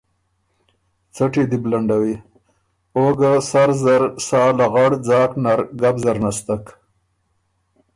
څټی دی بو لنډَوِی۔ او ګه سر زر سا لغړ ځاک نر ګپ زر نستک